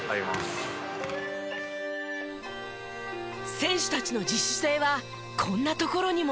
選手たちの自主性はこんなところにも。